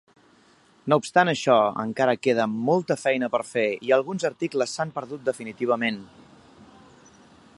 No obstant això, encara queda molta feina per fer, i alguns articles s'han perdut definitivament.